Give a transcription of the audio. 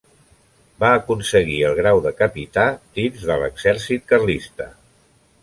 Va aconseguir el grau de capità dins de l'exèrcit carlista.